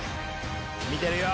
見てるよ！